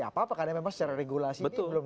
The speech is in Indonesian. gak apa apa karena memang secara regulasi itu belum